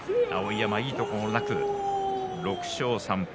碧山はいいところがなく６勝３敗。